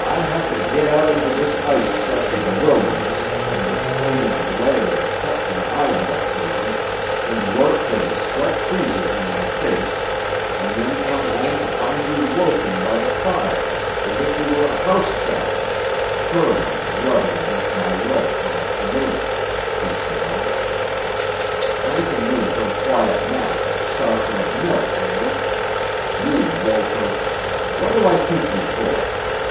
"I have to get out into this ice chest of a wilderness and this flaming glare that cuts my eyeballs open, and work till the sweat freezes on my face, and then come home to find you loafing by the fire as if you were a house cat purring and rubbing against my legs when I come in," he snarled. "Thanking me for a quiet nap and a saucer of milk, eh? You loafer! What do I keep you for?